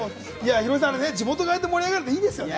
ヒロミさん、地元がああやって盛り上がるのいいですね。